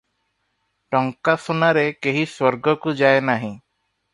ଟଙ୍କାସୁନାରେ କେହି ସ୍ୱର୍ଗକୁ ଯାଏ ନାହିଁ ।